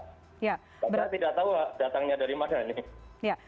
karena tidak tahu datangnya dari mana